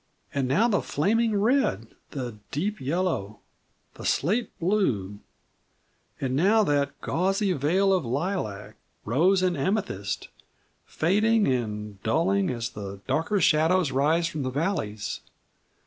And now the flaming red, the deep yellow, the slate blue; and now that gauzy veil of lilac, rose, and amethyst, fading and dulling as the darker shadows rise from the valleys!"